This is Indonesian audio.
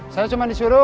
saya cuma disuruh